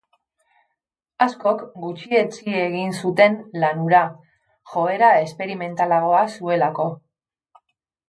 Askok gutxietsi egin zuten lan hura, joera esperimentalagoa zuelako.